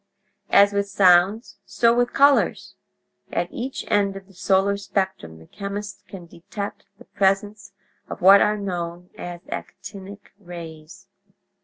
"As with sounds, so with colors. At each end of the solar spectrum the chemist can detect the presence of what are known as 'actinic' rays.